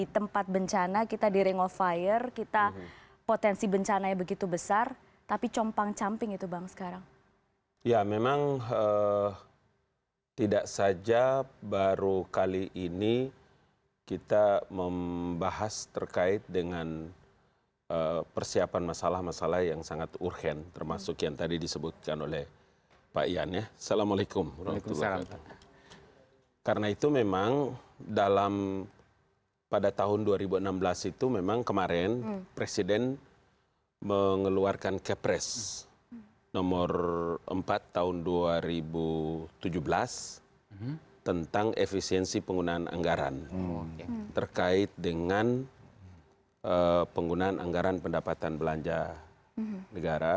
tentang efisiensi penggunaan anggaran terkait dengan penggunaan anggaran pendapatan belanja negara